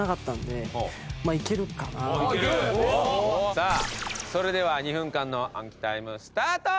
さあそれでは２分間の暗記タイムスタート！